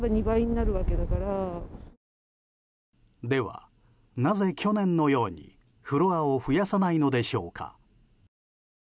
ではなぜ、去年のようにフロアを増やさないのでしょうか。